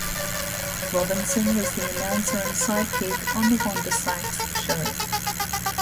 Robinson was the announcer and sidekick on "The Wanda Sykes Show".